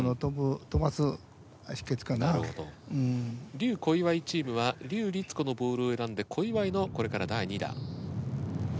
笠・小祝チームは笠りつ子のボールを選んで小祝のこれから第２打。